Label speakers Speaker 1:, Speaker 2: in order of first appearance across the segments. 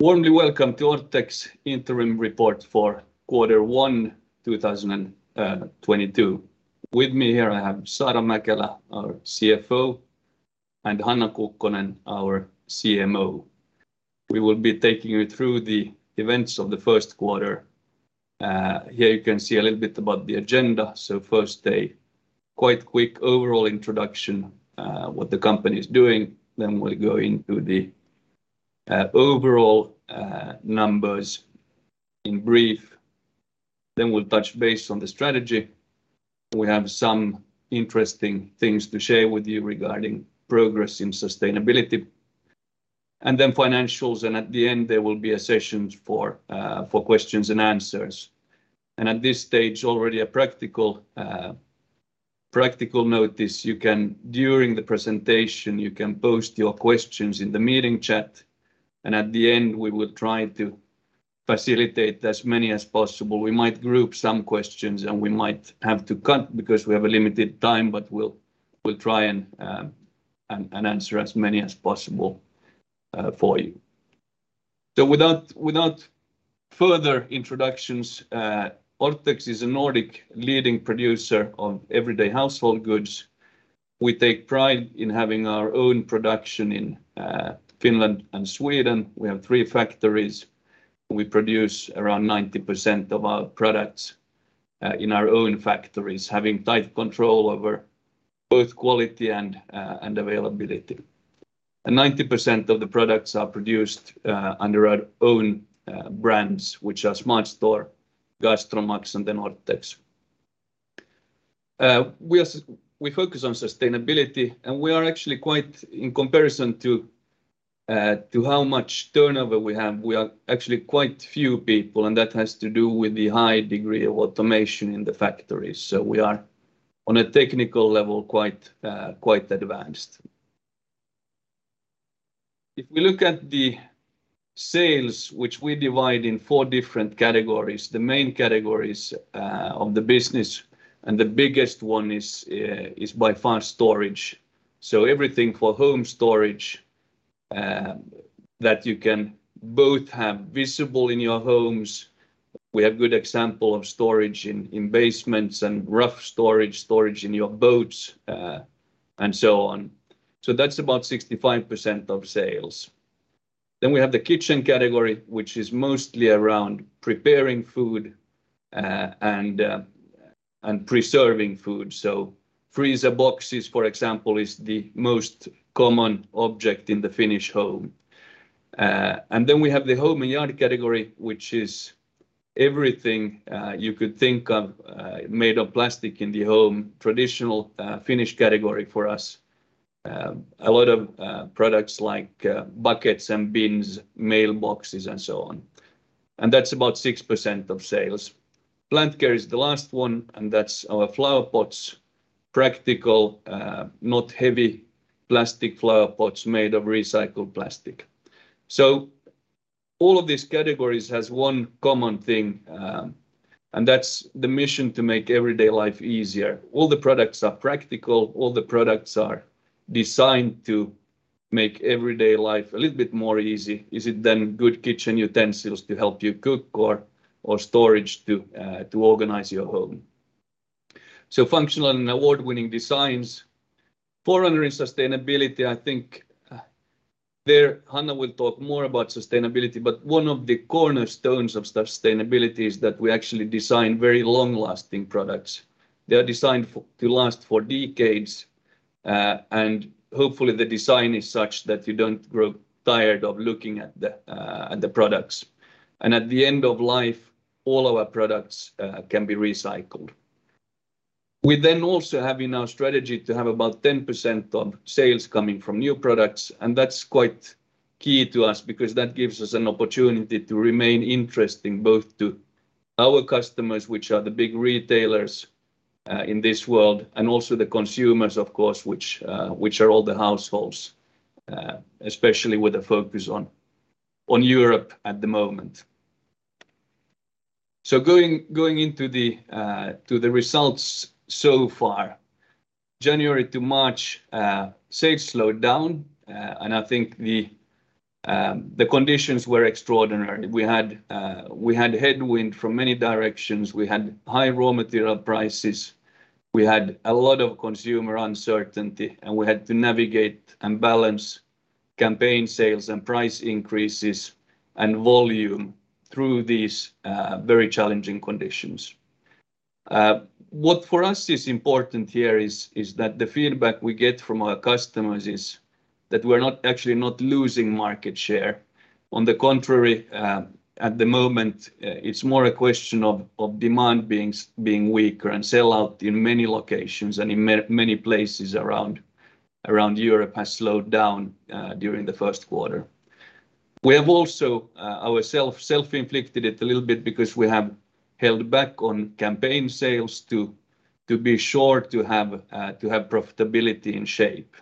Speaker 1: Warmly welcome to Orthex Interim report for quarter 1 2022. With me here I have Saara Mäkelä, our CFO, and Hanna Kukkonen, our CMO. We will be taking you through the events of the first quarter. Here you can see a little bit about the agenda. First a quite quick overall introduction, what the company is doing. Then we'll go into the overall numbers in brief, then we'll touch base on the strategy. We have some interesting things to share with you regarding progress in sustainability and then financials. At the end, there will be a session for questions-and-answers. At this stage already a practical notice. During the presentation, you can post your questions in the meeting chat, and at the end, we will try to facilitate as many as possible. We might group some questions, and we might have to cut because we have a limited time, but we'll try and answer as many as possible for you. Without further introductions, Orthex is a Nordic leading producer of everyday household goods. We take pride in having our own production in Finland and Sweden. We have three factories. We produce around 90% of our products in our own factories, having tight control over both quality and availability. 90% of the products are produced under our own brands, which are SmartStore, GastroMax, and then Orthex. We focus on sustainability, and we are actually quite in comparison to how much turnover we have, we are actually quite few people, and that has to do with the high degree of automation in the factories. We are on a technical level, quite advanced. If we look at the sales, which we divide in four different categories. The main categories of the business, and the biggest one is by far Storage. Everything for home storage that you can both have visible in your homes. We have good example of storage in basements and rough storage in your boats, and so on. That's about 65% of sales. Then we have the Kitchen category, which is mostly around preparing food and preserving food. Freezer boxes, for example, is the most common object in the Finnish home. Then we have the Home & Yard category, which is everything you could think of made of plastic in the home. Traditional Finnish category for us. A lot of products like buckets and bins, mailboxes and so on, and that's about 6% of sales. Plant Care is the last one, and that's our flower pots. Practical, not heavy plastic flower pots made of recycled plastic. All of these categories has one common thing, and that's the mission to make everyday life easier. All the products are practical. All the products are designed to make everyday life a little bit more easy. Is it then good kitchen utensils to help you cook or storage to organize your home? Functional and award-winning designs. Forerunner in sustainability, I think, there Hanna will talk more about sustainability. One of the cornerstones of sustainability is that we actually design very long-lasting products. They are designed to last for decades, and hopefully the design is such that you don't grow tired of looking at the products. At the end of life, all our products can be recycled. We then also have in our strategy to have about 10% of sales coming from new products, and that's quite key to us because that gives us an opportunity to remain interesting, both to our customers, which are the big retailers in this world, and also the consumers, of course, which are all the households, especially with the focus on Europe at the moment. Going into the results so far. January to March, sales slowed down. I think the conditions were extraordinary. We had headwind from many directions. We had high raw material prices. We had a lot of consumer uncertainty, and we had to navigate and balance campaign sales and price increases and volume through these very challenging conditions. What for us is important here is that the feedback we get from our customers is that we're not actually not losing market share. On the contrary, at the moment, it's more a question of demand being weaker and sell out in many locations and in many places around Europe has slowed down during the first quarter. We have also ourselves self-inflicted it a little bit because we have held back on campaign sales to be sure to have profitability in shape.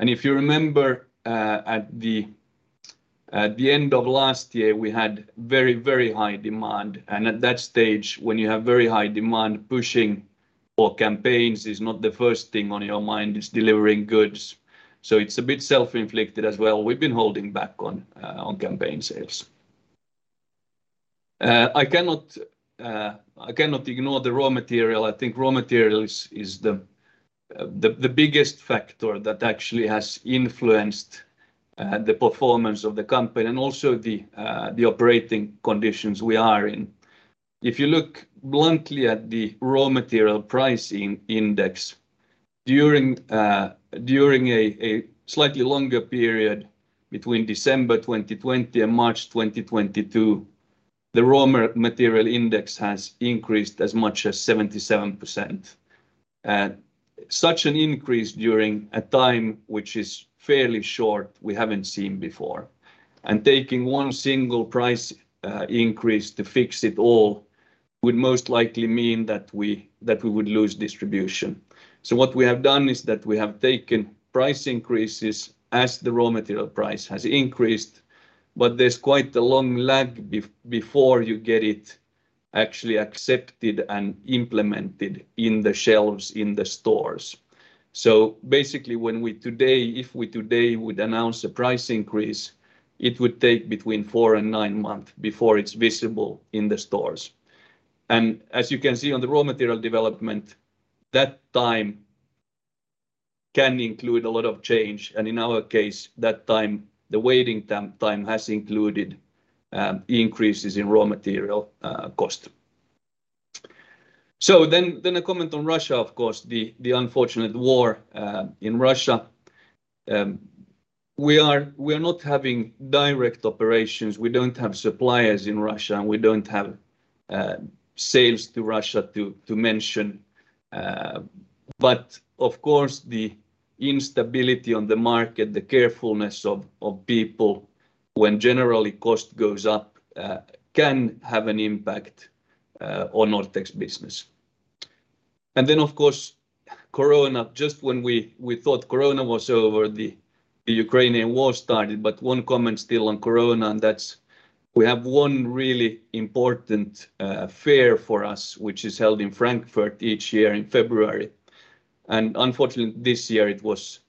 Speaker 1: If you remember, at the end of last year, we had very high demand. At that stage, when you have very high demand pushing our campaigns is not the first thing on your mind, it's delivering goods. It's a bit self-inflicted as well. We've been holding back on campaign sales. I cannot ignore the raw material. I think raw material is the biggest factor that actually has influenced the performance of the company and also the operating conditions we are in. If you look bluntly at the raw material pricing index during a slightly longer period between December 2020 and March 2022, the raw material index has increased as much as 77%. Such an increase during a time which is fairly short, we haven't seen before. Taking one single price increase to fix it all would most likely mean that we would lose distribution. What we have done is that we have taken price increases as the raw material price has increased, but there's quite a long lag before you get it actually accepted and implemented in the shelves in the stores. Basically, if we today would announce a price increase, it would take between four and nine months before it's visible in the stores. As you can see on the raw material development, that time can include a lot of change. In our case, that time, the waiting time has included increases in raw material cost. A comment on Russia, of course, the unfortunate war in Russia. We are not having direct operations. We don't have suppliers in Russia, and we don't have sales to Russia to mention. But of course, the instability on the market, the carefulness of people when generally cost goes up can have an impact on Orthex's business. Of course, corona. Just when we thought corona was over, the Ukrainian war started. One comment still on corona, and that's we have one really important Ambiente for us, which is held in Frankfurt each year in February. Unfortunately, this year it was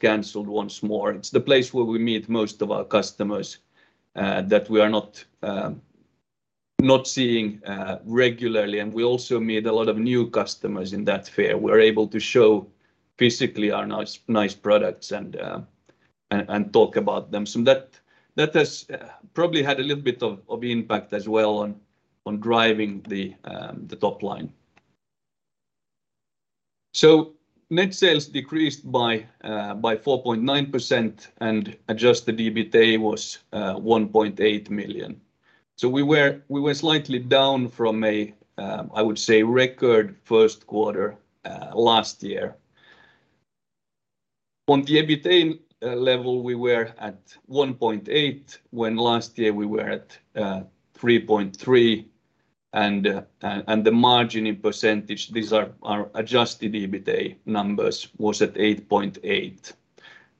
Speaker 1: canceled once more. It's the place where we meet most of our customers that we are not seeing regularly. We also meet a lot of new customers in that Ambiente. We're able to show physically our nice products and talk about them. That has probably had a little bit of impact as well on driving the top line. Net sales decreased by 4.9%, and adjusted EBITDA was 1.8 million. We were slightly down from a record first quarter last year. On the EBITDA level, we were at 1.8, when last year we were at 3.3. The margin in percentage, these are our adjusted EBITDA numbers, was at 8.8%.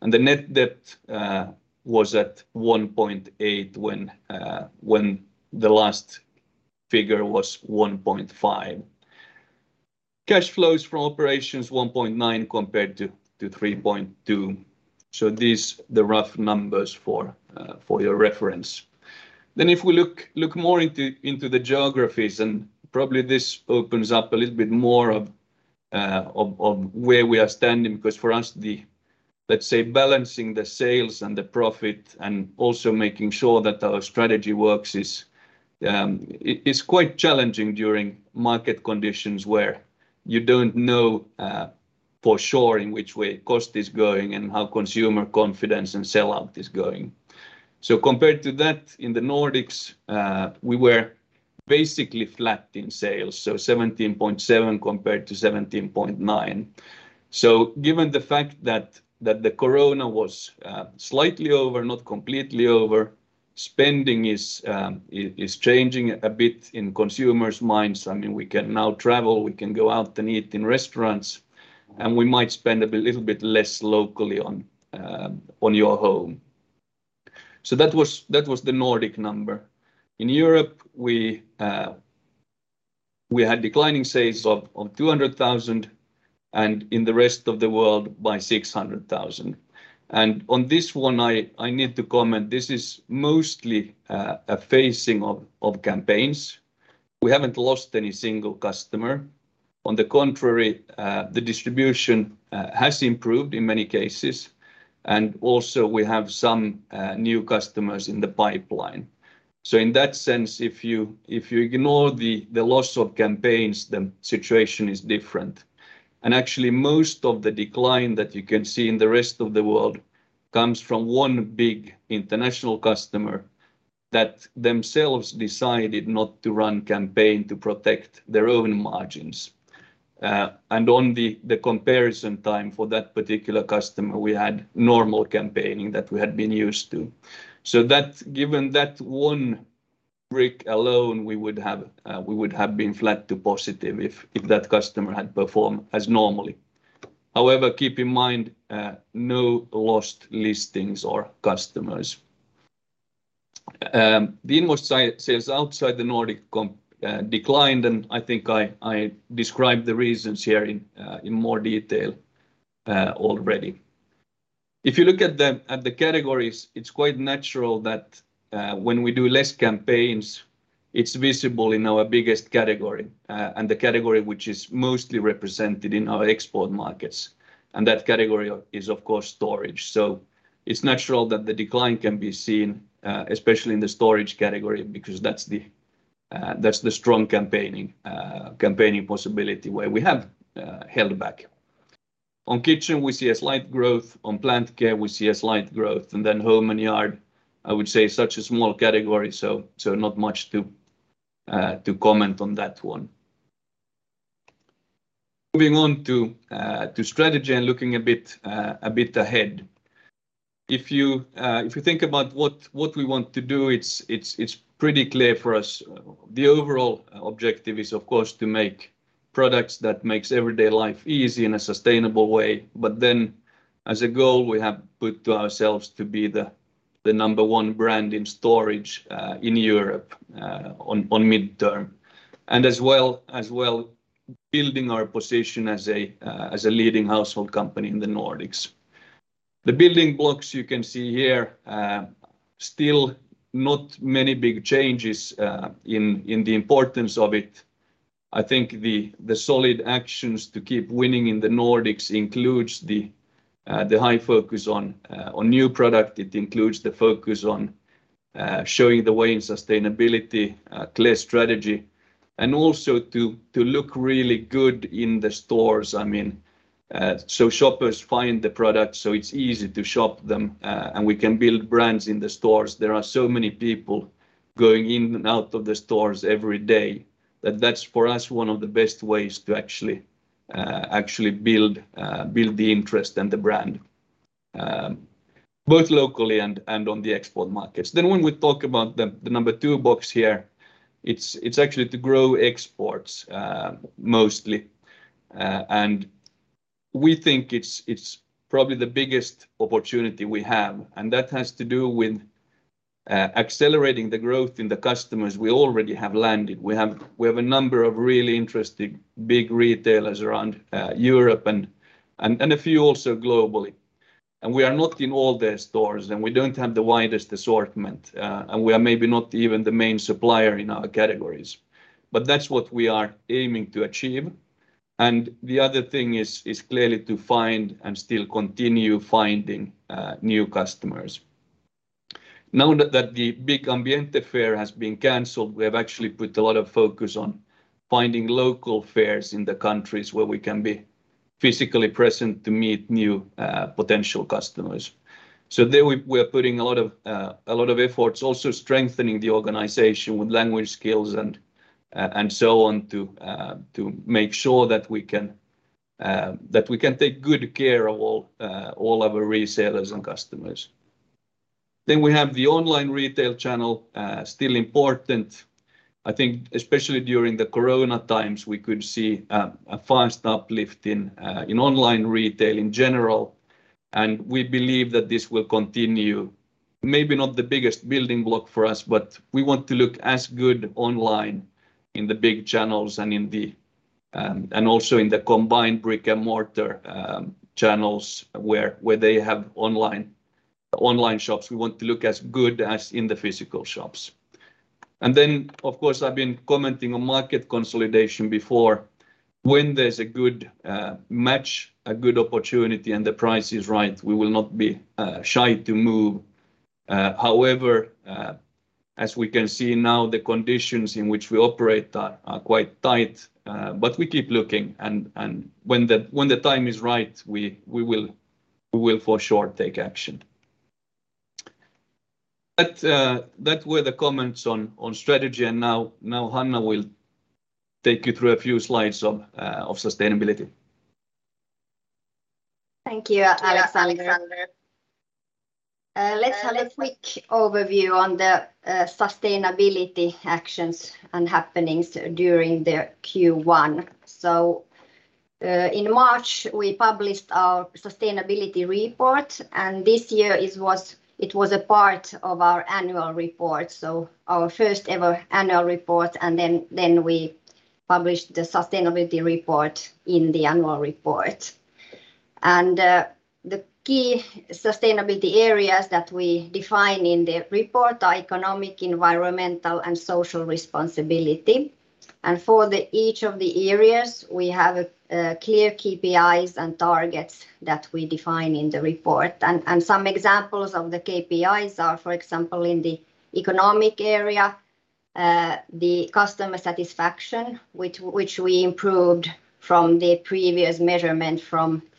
Speaker 1: The net debt was at 1.8, when the last figure was 1.5. Cash flows from operations, 1.9 compared to 3.2. These are the rough numbers for your reference. If we look more into the geographies, and probably this opens up a little bit more of where we are standing. Because for us, let's say, balancing the sales and the profit and also making sure that our strategy works is quite challenging during market conditions where you don't know for sure in which way cost is going and how consumer confidence and sell-out is going. Compared to that, in the Nordics, we were basically flat in sales, so 17.7 compared to 17.9. Given the fact that the corona was slightly over, not completely over, spending is changing a bit in consumers' minds. I mean, we can now travel, we can go out and eat in restaurants, and we might spend a little bit less locally on your home. That was the Nordic number. In Europe, we had declining sales of 200,000, and in the rest of the world by 600,000. On this one, I need to comment. This is mostly a phasing of campaigns. We haven't lost any single customer. On the contrary, the distribution has improved in many cases. Also we have some new customers in the pipeline. In that sense, if you ignore the loss of campaigns, the situation is different. Actually, most of the decline that you can see in the rest of the world comes from one big international customer that themselves decided not to run campaign to protect their own margins. On the comparison time for that particular customer, we had normal campaigning that we had been used to. Given that one brick alone, we would have been flat to positive if that customer had performed as normally. However, keep in mind, no lost listings or customers. Invoiced sales outside the Nordic comp declined, and I think I described the reasons here in more detail already. If you look at the categories, it's quite natural that when we do less campaigns, it's visible in our biggest category and the category which is mostly represented in our export markets, and that category is of course Storage. It's natural that the decline can be seen especially in the Storage category because that's the strong campaigning possibility where we have held back. On Kitchen, we see a slight growth. On Plant Care, we see a slight growth. Home & Yard, I would say such a small category, so not much to comment on that one. Moving on to strategy and looking a bit ahead. If you think about what we want to do, it's pretty clear for us. The overall objective is, of course, to make products that makes everyday life easy in a sustainable way. As a goal, we have put to ourselves to be the number one brand in Storage in Europe on midterm. As well, building our position as a leading household company in the Nordics. The building blocks you can see here, still not many big changes in the importance of it. I think the solid actions to keep winning in the Nordics includes the high focus on new product. It includes the focus on showing the way in sustainability, a clear strategy, and also to look really good in the stores. I mean, so shoppers find the product, so it's easy to shop them, and we can build brands in the stores. There are so many people going in and out of the stores every day that that's, for us, one of the best ways to actually build the interest and the brand, both locally and on the export markets. When we talk about the number two box here, it's actually to grow exports, mostly. We think it's probably the biggest opportunity we have, and that has to do with accelerating the growth in the customers we already have landed. We have a number of really interesting big retailers around Europe and a few also globally. We are not in all their stores, and we don't have the widest assortment, and we are maybe not even the main supplier in our categories. That's what we are aiming to achieve. The other thing is clearly to find and still continue finding new customers. Now that the big Ambiente fair has been canceled, we have actually put a lot of focus on finding local fairs in the countries where we can be physically present to meet new potential customers. We're putting a lot of efforts also strengthening the organization with language skills and so on to make sure that we can take good care of all of our resellers and customers. We have the online retail channel still important. I think especially during the corona times, we could see a fast uplift in online retail in general, and we believe that this will continue. Maybe not the biggest building block for us, but we want to look as good online in the big channels and also in the combined brick-and-mortar channels where they have online shops. We want to look as good as in the physical shops. Of course, I've been commenting on market consolidation before. When there's a good match, a good opportunity and the price is right, we will not be shy to move. However, as we can see now, the conditions in which we operate are quite tight, but we keep looking and when the time is right, we will for sure take action. That were the comments on strategy and now Hanna will take you through a few slides of sustainability.
Speaker 2: Thank you, Alexander. Let's have a quick overview on the sustainability actions and happenings during the Q1. In March, we published our sustainability report, and this year it was a part of our annual report, so our first ever annual report, and then we published the sustainability report in the annual report. The key sustainability areas that we define in the report are economic, environmental, and social responsibility. For each of the areas, we have clear KPIs and targets that we define in the report. Some examples of the KPIs are, for example, in the economic area, the customer satisfaction, which we improved from the previous measurement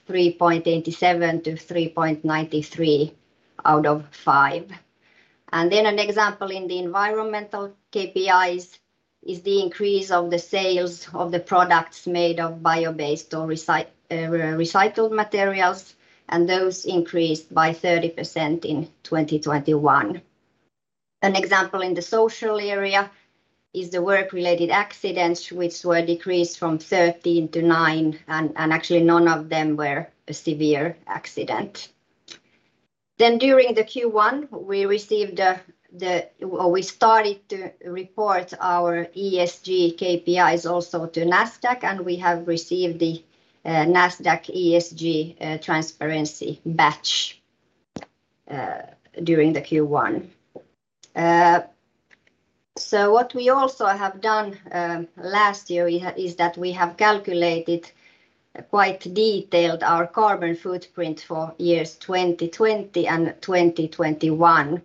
Speaker 2: from 3.87 to 3.93 out of 5. An example in the environmental KPIs is the increase of the sales of the products made of bio-based or recycled materials, and those increased by 30% in 2021. An example in the social area is the work related accidents, which were decreased from 13 to 9, and actually none of them were a severe accident. During the Q1, we started to report our ESG KPIs also to Nasdaq, and we have received the Nasdaq ESG transparency badge during the Q1. What we also have done last year is that we have calculated quite detailed our carbon footprint for years 2020 and 2021.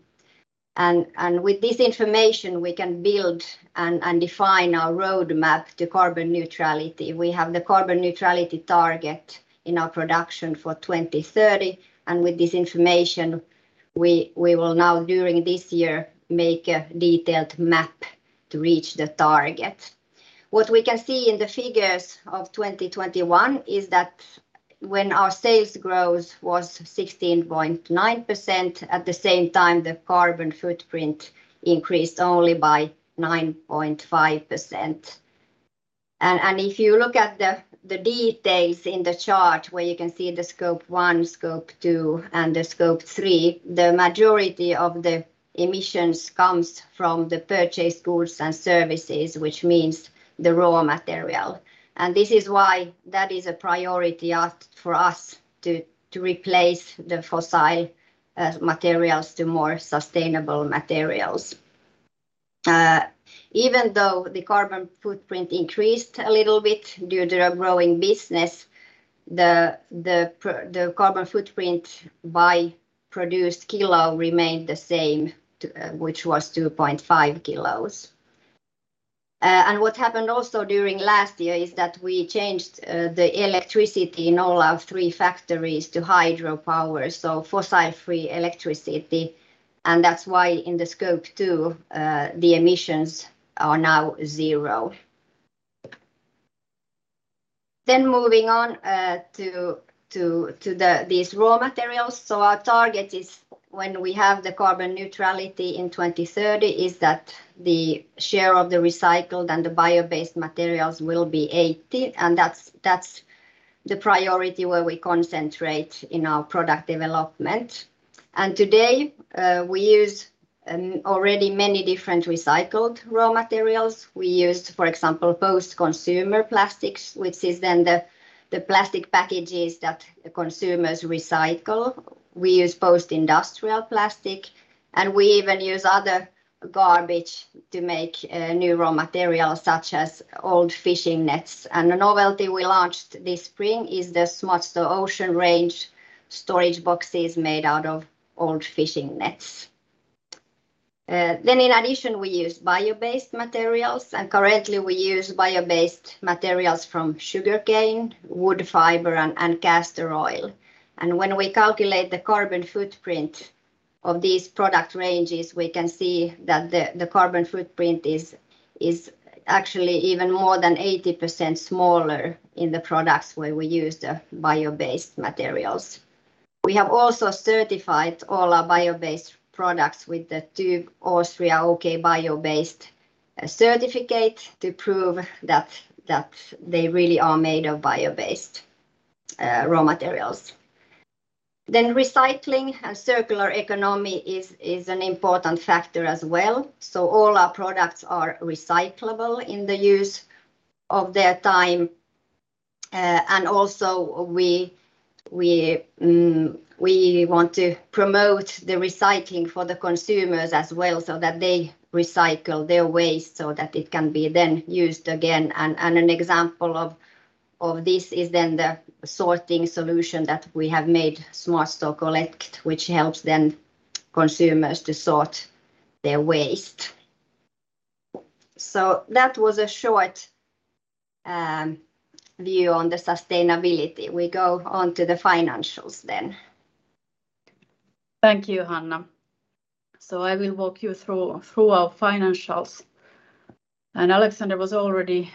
Speaker 2: With this information, we can build and define our roadmap to carbon neutrality. We have the carbon neutrality target in our production for 2030, and with this information, we will now during this year make a detailed map to reach the target. What we can see in the figures of 2021 is that when our sales growth was 16.9%, at the same time, the carbon footprint increased only by 9.5%. If you look at the details in the chart where you can see the Scope 1, Scope 2, and the Scope 3, the majority of the emissions comes from the purchased goods and services, which means the raw material. This is why that is a priority for us to replace the fossil materials to more sustainable materials. Even though the carbon footprint increased a little bit due to the growing business, the carbon footprint by produced kilo remained the same, which was 2.5 kilos. What happened also during last year is that we changed the electricity in all our three factories to hydropower, so fossil-free electricity. That's why in the Scope 2, the emissions are now zero. Moving on to these raw materials. Our target is when we have the carbon neutrality in 2030, is that the share of the recycled and the bio-based materials will be 80%, and that's the priority where we concentrate in our product development. Today, we use already many different recycled raw materials. We use, for example, post-consumer plastics, which is then the plastic packages that consumers recycle. We use post-industrial plastic, and we even use other garbage to make new raw materials, such as old fishing nets. A novelty we launched this spring is the SmartStore Ocean range storage boxes made out of old fishing nets. In addition, we use bio-based materials, and currently we use bio-based materials from sugarcane, wood fiber, and castor oil. When we calculate the carbon footprint of these product ranges, we can see that the carbon footprint is actually even more than 80% smaller in the products where we use the bio-based materials. We have also certified all our bio-based products with the TÜV Austria OK biobased certificate to prove that they really are made of bio-based raw materials. Recycling and circular economy is an important factor as well. All our products are recyclable in the use of their time. Also we want to promote the recycling for the consumers as well, so that they recycle their waste so that it can be used again. An example of this is the sorting solution that we have made, SmartStore Collect, which helps the consumers to sort their waste. That was a short view on the sustainability. We go on to the financials.
Speaker 3: Thank you, Hanna. I will walk you through our financials. Alexander was already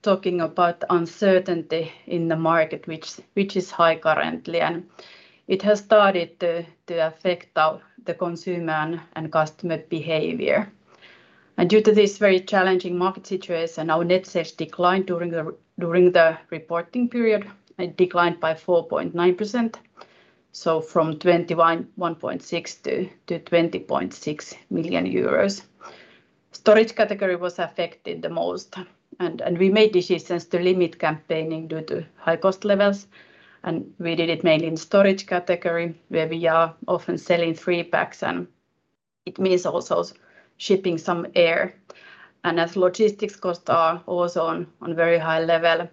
Speaker 3: talking about uncertainty in the market, which is high currently, and it has started to affect the consumer and customer behavior. Due to this very challenging market situation, our net sales declined during the reporting period. It declined by 4.9%, from 21.6 million to 20.6 million euros. Storage category was affected the most, and we made decisions to limit campaigning due to high cost levels, and we did it mainly in Storage category, where we are often selling three-packs, and it means also shipping some air. As logistics costs are also on very high level,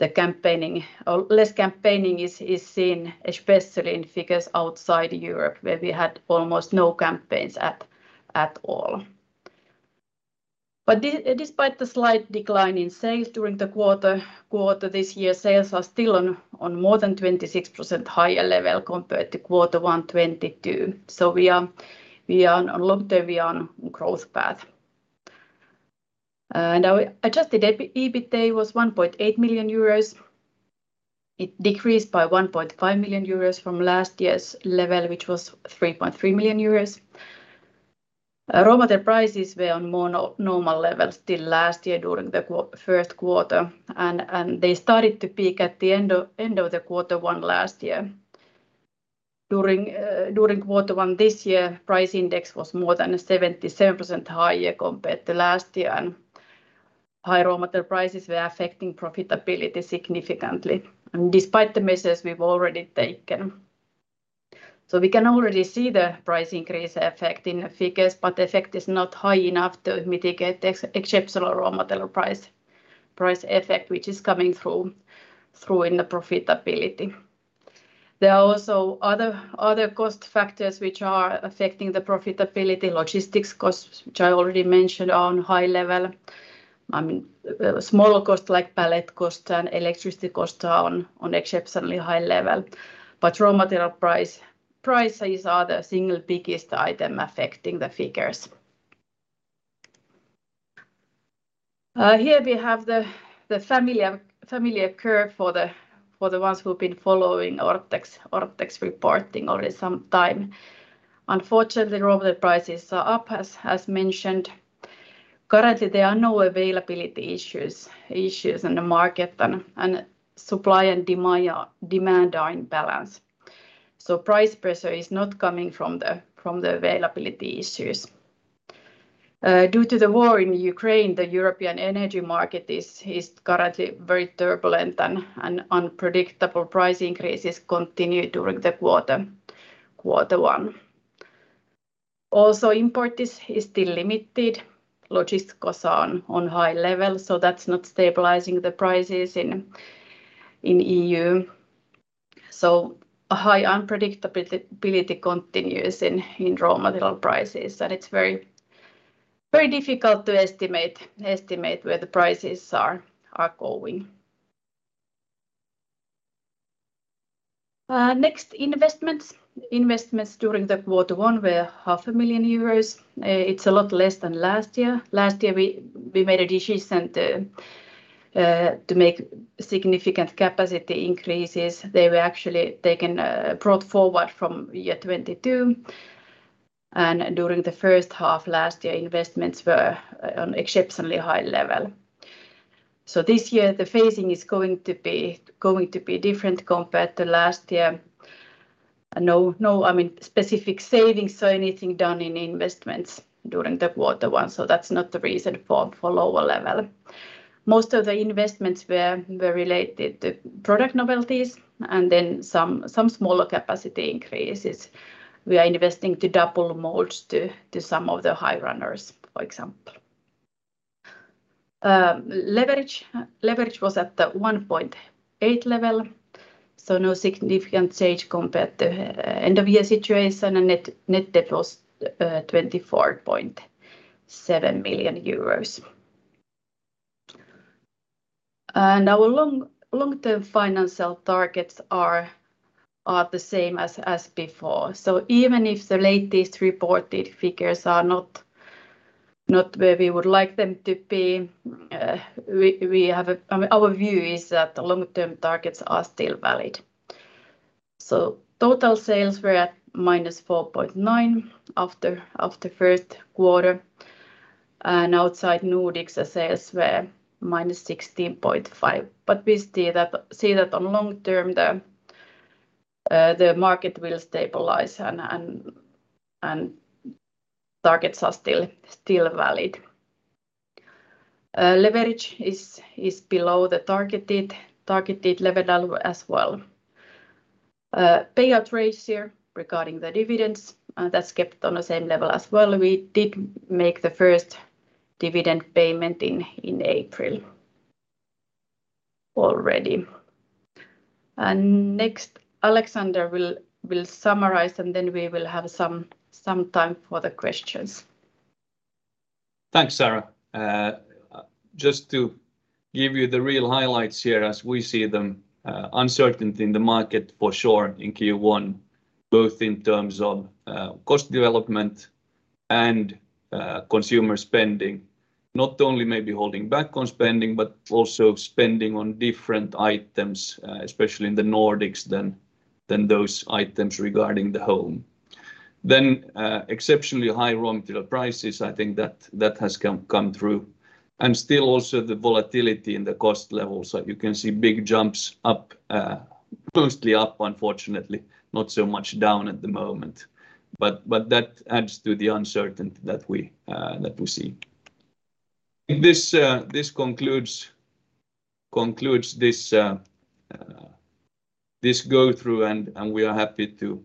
Speaker 3: the campaigning or less campaigning is seen especially in figures outside Europe, where we had almost no campaigns at all. Despite the slight decline in sales during the quarter this year, sales are still on more than 26% higher level compared to quarter one 2022. We are on long-term growth path. Now adjusted EBITDA was 1.8 million euros. It decreased by 1.5 million euros from last year's level, which was 3.3 million euros. Raw material prices were on more normal levels till last year during the first quarter, and they started to peak at the end of quarter one last year. During quarter one this year, price index was more than 77% higher compared to last year, and high raw material prices were affecting profitability significantly despite the measures we've already taken. We can already see the price increase affecting the figures, but the effect is not high enough to mitigate the exceptional raw material price effect, which is coming through in the profitability. There are also other cost factors which are affecting the profitability. Logistics costs, which I already mentioned, are on high level. I mean, smaller costs like pallet costs and electricity costs are on exceptionally high level. Raw material prices are the single biggest item affecting the figures. Here we have the familiar curve for the ones who've been following Orthex reporting already some time. Unfortunately, raw material prices are up as mentioned. Currently, there are no availability issues in the market, and supply and demand are in balance. Price pressure is not coming from the availability issues. Due to the war in Ukraine, the European energy market is currently very turbulent and unpredictable. Price increases continued during quarter one. Also, import is still limited. Logistics costs are on high level, so that's not stabilizing the prices in EU. A high unpredictability continues in raw material prices, and it's very difficult to estimate where the prices are going. Next, investments. Investments during quarter one were half a million euros. It's a lot less than last year. Last year, we made a decision to make significant capacity increases. They were actually taken, brought forward from 2022, and during the first half last year, investments were on exceptionally high level. This year, the phasing is going to be different compared to last year. I mean, specific savings or anything done in investments during quarter one, so that's not the reason for lower level. Most of the investments were related to product novelties and then some smaller capacity increases. We are investing to double molds to some of the high runners, for example. Leverage was at the 1.8 level, so no significant change compared to end-of-year situation, and net debt was 24.7 million euros. Our long-term financial targets are the same as before. Even if the latest reported figures are not where we would like them to be, I mean, our view is that the long-term targets are still valid. Total sales were at -4.9% after first quarter, and outside Nordics, sales were -16.5%. We see that in the long term the market will stabilize and targets are still valid. Leverage is below the targeted level as well. Payout ratio regarding the dividends, that's kept on the same level as well. We did make the first dividend payment in April already. Next, Alexander will summarize, and then we will have some time for the questions.
Speaker 1: Thanks, Saara. Just to give you the real highlights here as we see them, uncertainty in the market for sure in Q1, both in terms of cost development and consumer spending. Not only maybe holding back on spending, but also spending on different items, especially in the Nordics than those items regarding the Home. Exceptionally high raw material prices, I think that has come through. And still also the volatility in the cost levels that you can see big jumps up, mostly up, unfortunately, not so much down at the moment. But that adds to the uncertainty that we see. I think this concludes this go-through, and we are happy to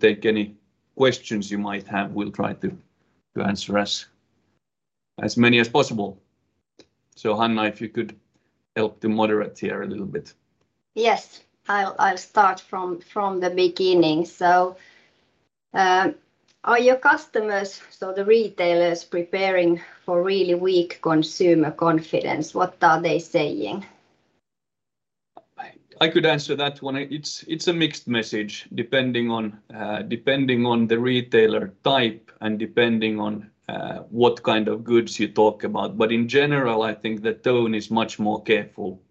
Speaker 1: take any questions you might have. We'll try to answer as many as possible. Hanna, if you could help to moderate here a little bit.
Speaker 2: Yes. I'll start from the beginning. Are your customers, so the retailers, preparing for really weak consumer confidence? What are they saying?
Speaker 1: I could answer that one. It's a mixed message, depending on the retailer type and depending on what kind of goods you talk about. In general, I think the tone is much more careful.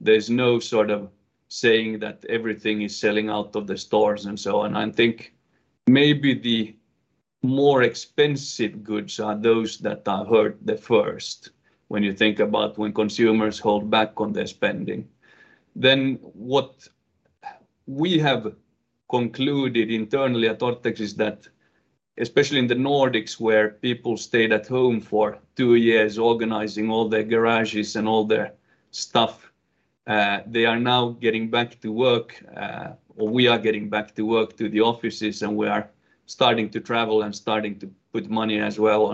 Speaker 1: There's no sort of saying that everything is selling out of the stores and so on. I think maybe the more expensive goods are those that are hurt the first when you think about when consumers hold back on their spending. What we have concluded internally at Orthex is that especially in the Nordics, where people stayed at home for two years organizing all their garages and all their stuff, they are now getting back to work, or we are getting back to work to the offices, and we are starting to travel and starting to put money as well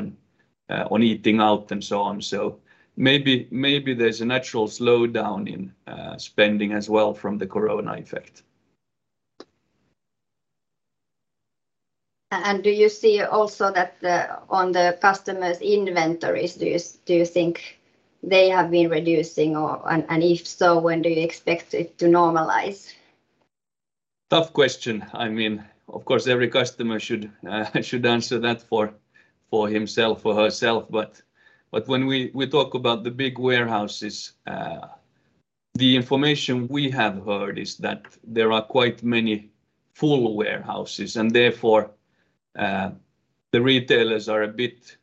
Speaker 1: on eating out and so on. Maybe there's a natural slowdown in spending as well from the corona effect.
Speaker 2: Do you see also that the on the customers' inventories, do you think they have been reducing or and if so, when do you expect it to normalize?
Speaker 1: Tough question. I mean, of course, every customer should answer that for himself or herself. When we talk about the big warehouses, the information we have heard is that there are quite many full warehouses, and therefore, the retailers are a bit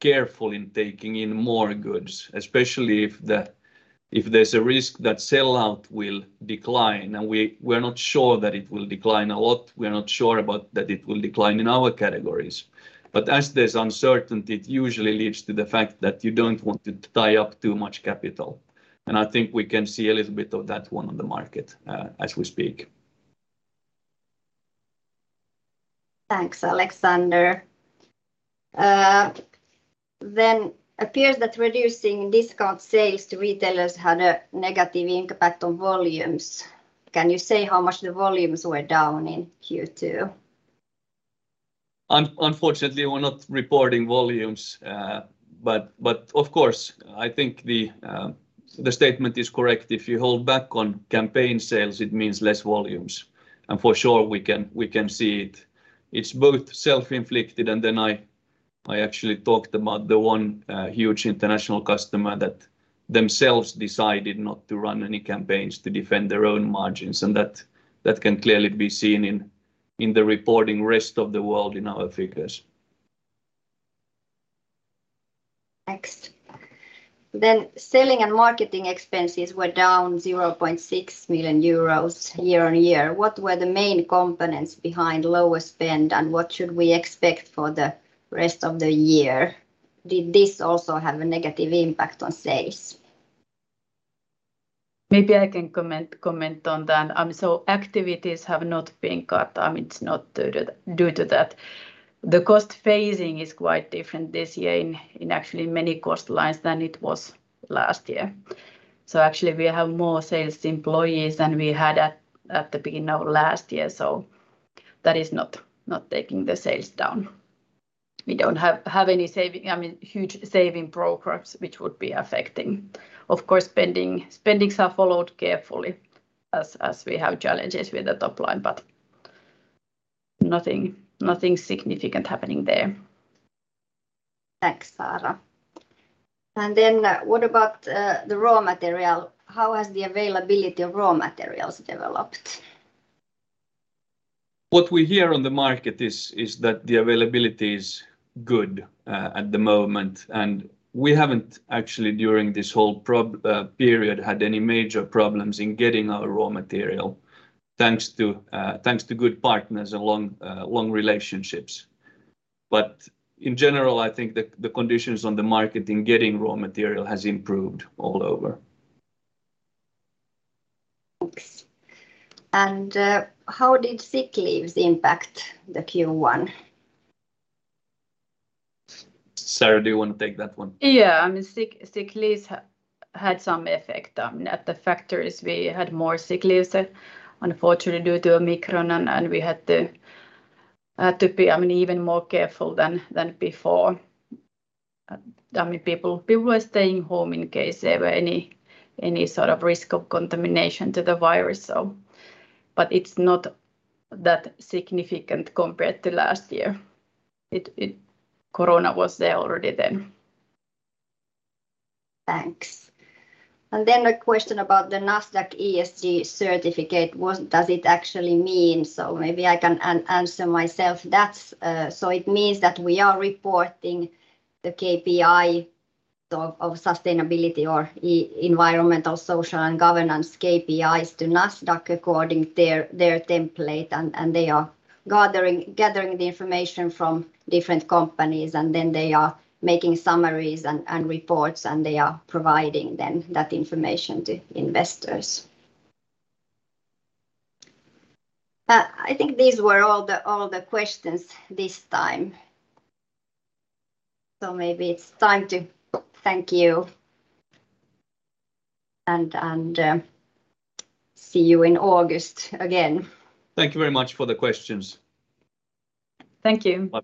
Speaker 1: careful in taking in more goods, especially if there's a risk that sell-out will decline, and we're not sure that it will decline a lot. We are not sure about that it will decline in our categories. As there's uncertainty, it usually leads to the fact that you don't want to tie up too much capital, and I think we can see a little bit of that one on the market, as we speak.
Speaker 2: Thanks, Alexander. It appears that reducing discount sales to retailers had a negative impact on volumes. Can you say how much the volumes were down in Q2?
Speaker 1: Unfortunately, we're not reporting volumes. Of course, I think the statement is correct. If you hold back on campaign sales, it means less volumes. For sure we can see it. It's both self-inflicted, and then I actually talked about the one huge international customer that themselves decided not to run any campaigns to defend their own margins and that can clearly be seen in the reporting rest of the world in our figures.
Speaker 2: Next. Selling and marketing expenses were down 0.6 million euros year-over-year. What were the main components behind lower spend, and what should we expect for the rest of the year? Did this also have a negative impact on sales?
Speaker 3: Maybe I can comment on that. Activities have not been cut. I mean, it's not due to that. The cost phasing is quite different this year in actually many cost lines than it was last year. Actually we have more sales employees than we had at the beginning of last year, so that is not taking the sales down. We don't have, I mean, huge saving programs which would be affecting. Of course, spending, spendings are followed carefully as we have challenges with the top line, but nothing significant happening there.
Speaker 2: Thanks, Saara Mäkelä. What about the raw material? How has the availability of raw materials developed?
Speaker 1: What we hear on the market is that the availability is good at the moment, and we haven't actually during this whole period had any major problems in getting our raw material, thanks to good partners and long relationships. In general, I think the conditions on the market in getting raw material has improved all over.
Speaker 2: Thanks. How did sick leaves impact the Q1?
Speaker 1: Saara, do you wanna take that one?
Speaker 3: Yeah. I mean, sick leaves had some effect. At the factories we had more sick leaves, unfortunately, due to Omicron, and we had to be, I mean, even more careful than before. I mean, people were staying home in case there were any sort of risk of contamination to the virus. It's not that significant compared to last year. corona was there already then.
Speaker 2: Thanks. A question about the Nasdaq ESG certificate. What does it actually mean? Maybe I can answer myself that. It means that we are reporting the KPI of sustainability or environmental, social, and governance KPIs to Nasdaq according to their template, and they are gathering the information from different companies, and then they are making summaries and reports, and they are providing then that information to investors. I think these were all the questions this time. Maybe it's time to thank you and see you in August again.
Speaker 1: Thank you very much for the questions.
Speaker 3: Thank you.
Speaker 1: Bye-bye